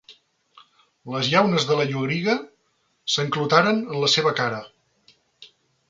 Les llaunes de la lloriga s'enclotaren en la seva cara.